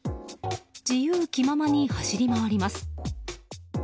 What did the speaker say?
自由気ままに走り回ります。